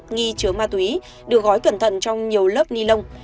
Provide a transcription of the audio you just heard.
nghi chứa ma túy được gói cẩn thận trong nhiều lớp ni lông